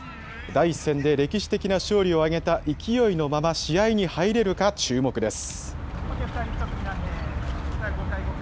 第１戦で歴史的な勝利を挙げた、勢いのまま試合に入れるか注目です。